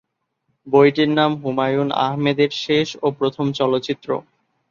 বইটির নাম "হুমায়ূন আহমেদ-এর শেষ ও প্রথম চলচ্চিত্র"।